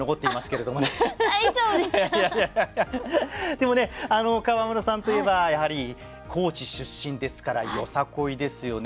でもね川村さんといえばやはり高知出身ですからよさこいですよね。